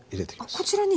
あこちらに。